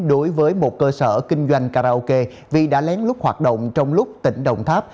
đối với một cơ sở kinh doanh karaoke vì đã lén lút hoạt động trong lúc tỉnh đồng tháp